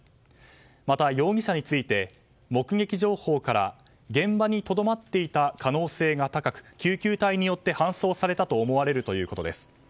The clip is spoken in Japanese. また、容疑者について目撃情報から現場にとどまっていた可能性が高く救急隊によって搬送されたと思われるということです。